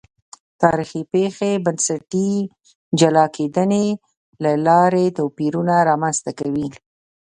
تاریخي پېښې بنسټي جلا کېدنې له لارې توپیرونه رامنځته کوي.